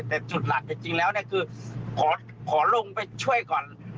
แต่จุดหลักแต่จริงแล้วเนี่ยคือขอลงไปช่วยก่อน